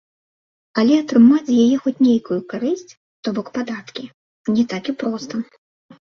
Але атрымаць з яе хоць нейкую карысць, то бок падаткі, не так і проста.